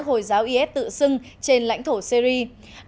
các hồi giáo is tự xưng trên lãnh thổ syria